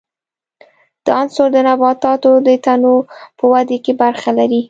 دا عنصر د نباتاتو د تنو په ودې کې برخه لري.